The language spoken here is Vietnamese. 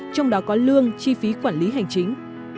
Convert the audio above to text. trong đó có lương chi phí quản lý hành chính